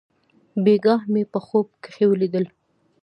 بېګاه مې په خوب کښې وليدل.